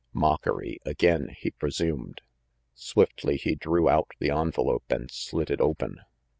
Mockery again, he presumed. Swiftly he drew out the envel ope and slit it open.